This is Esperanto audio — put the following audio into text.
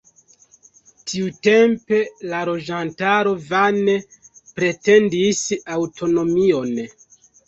Tiutempe la loĝantaro vane pretendis aŭtonomion.